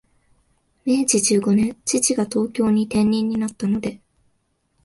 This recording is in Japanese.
明治十五年、父が東京に転任になったので、